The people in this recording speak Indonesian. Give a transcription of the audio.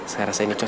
saya rasa ini cocok